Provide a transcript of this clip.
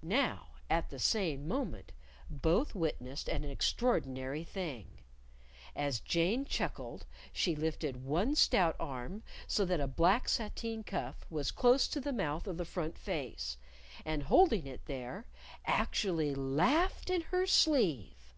Now, at the same moment, both witnessed an extraordinary thing: As Jane chuckled, she lifted one stout arm so that a black sateen cuff was close to the mouth of the front face. And holding it there, actually _laughed in her sleeve!